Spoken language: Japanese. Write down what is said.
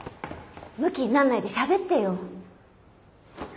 ムキになんないでしゃべってよ。